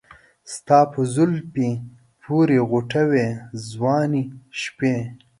ستا په زلفې پورې غوټه وې ځواني شپې